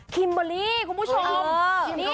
คิมเบอร์รี่คุณผู้ชม